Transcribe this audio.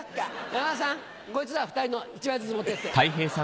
山田さんこいつら２人の１枚ずつ持ってって。